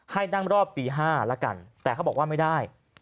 ให้นั่งรอบตี๕แล้วกันแต่เขาบอกว่าไม่ได้